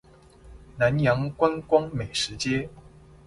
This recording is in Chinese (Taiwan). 南洋觀光美食街